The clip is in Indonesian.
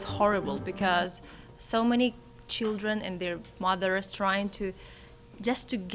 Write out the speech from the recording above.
hanya untuk mencapai kawasan ukraina